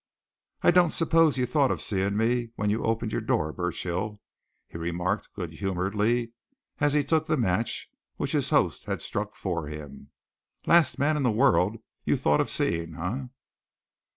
"I don't suppose you thought of seeing me when you opened your door, Burchill?" he remarked good humouredly, as he took the match which his host had struck for him. "Last man in the world you thought of seeing, eh?"